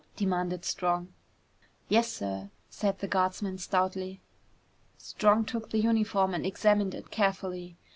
demanded Strong. "Yes, sir," said the guardsman stoutly. Strong took the uniform and examined it carefully.